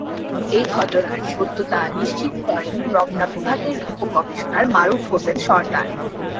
এ ঘটনার সত্যতা নিশ্চিত করেন রমনা বিভাগের উপকমিশনার মারুফ হোসেন সর্দার।